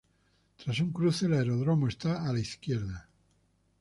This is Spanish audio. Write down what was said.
Tras un cruce, el aeródromo está a la izquierda.